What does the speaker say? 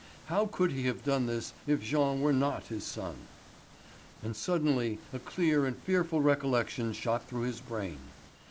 How could he have done this if Jean were not his son? And suddenly a clear and fearful recollection shot through his brain.